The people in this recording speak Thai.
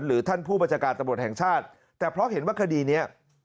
หรือท่านผู้บัจจากาศตะบทแห่งชาติแต่เพราะเห็นว่าคดีนี้